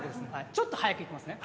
ちょっと早くいきますね。